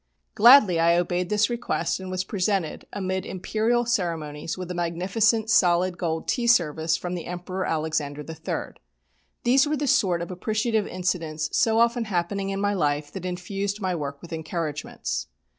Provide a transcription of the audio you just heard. Gladly I obeyed this request, and was presented, amid imperial ceremonies, with a magnificent solid gold tea service from the Emperor Alexander III. These were the sort of appreciative incidents so often happening in my life that infused my work with encouragements.